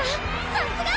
さすが！